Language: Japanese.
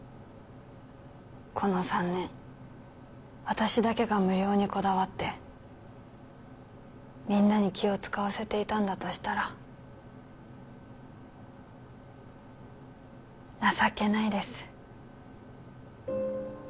この３年私だけが無料にこだわってみんなに気を使わせていたんだとしたら情けないです